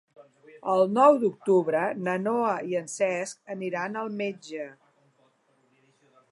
El nou d'octubre na Noa i en Cesc aniran al metge.